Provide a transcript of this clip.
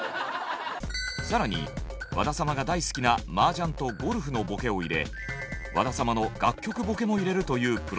更に和田様が大好きなマージャンとゴルフのボケを入れ和田様の楽曲ボケも入れるというプロデュースも。